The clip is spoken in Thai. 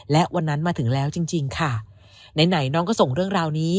และวันนั้นมาถึงแล้วจริงจริงค่ะไหนไหนน้องก็ส่งเรื่องราวนี้